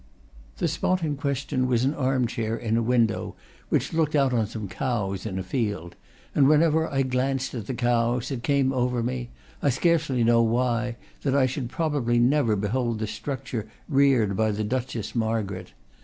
The spot in question was an armchair in a window which looked out on some cows in a field; and whenever I glanced at the cows it came over me I scarcely know why that I should probably never behold the structure reared by the Duchess Margaret.